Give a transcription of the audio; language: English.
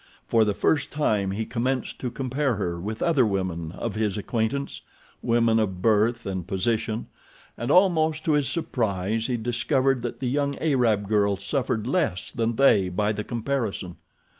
For the first time he commenced to compare her with other women of his acquaintance—women of birth and position—and almost to his surprise—he discovered that the young Arab girl suffered less than they by the comparison.